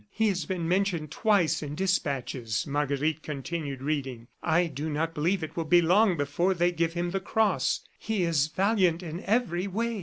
"He has been mentioned twice in dispatches," Marguerite continued reading. "I do not believe that it will be long before they give him the cross. He is valiant in every way.